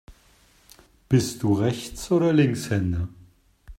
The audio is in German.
Bist du Rechts- oder Linkshänder?